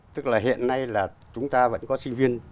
tức là hiện nay là chúng ta vẫn có sinh viên